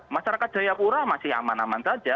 masyarakat jayapura masih aman aman saja